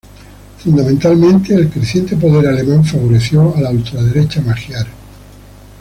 Fundamentalmente, el creciente poder alemán favoreció a la ultraderecha magiar.